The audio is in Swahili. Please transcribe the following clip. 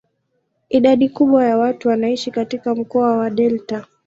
Idadi kubwa ya watu wanaishi katika mkoa wa delta.